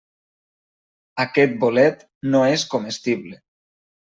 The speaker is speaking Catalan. Aquest bolet no és comestible.